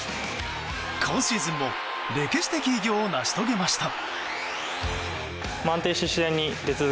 今シーズンも歴史的偉業を成し遂げました。